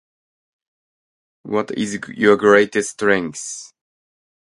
what is your greatest strength